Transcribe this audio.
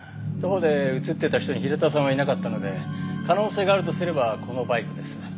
徒歩で映ってた人に平田さんはいなかったので可能性があるとすればこのバイクです。